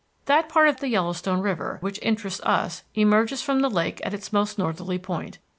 That part of the Yellowstone River which interests us emerges from the lake at its most northerly point.